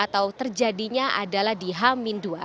atau terjadinya adalah di hamin dua